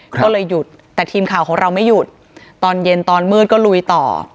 ก็เลยหยุดแต่ทีมข่าวของเราไม่หยุดตอนเย็นตอนมืดก็ลุยต่อ